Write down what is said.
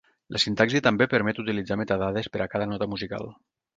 La sintaxi també permet utilitzar metadades per a cada nota musical.